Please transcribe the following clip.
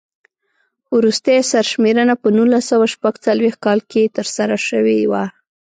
وروستۍ سر شمېرنه په نولس سوه شپږ څلوېښت کال کې ترسره شوې وه.